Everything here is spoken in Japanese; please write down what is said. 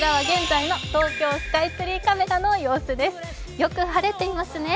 よく晴れていますね。